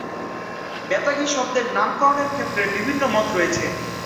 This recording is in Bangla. বেতাগী শব্দের নামকরণের ক্ষেত্রে বিভিন্ন মত রয়েছে।